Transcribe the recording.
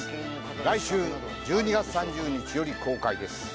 来週１２月３０日より公開です